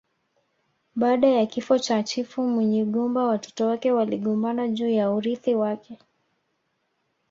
Baada ya kifo cha chifu Munyigumba watoto wake waligombana juu ya urithi wake